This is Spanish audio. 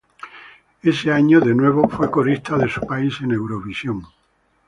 Ese año, de nuevo, fue corista de su país en Eurovisión.